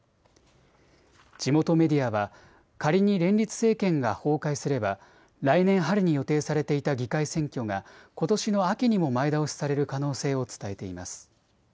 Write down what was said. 地元メディアは、仮に連立政権が崩壊すれば来年春に予定されていた議会選挙がことしの秋にも前倒しされる可能性を伝えています。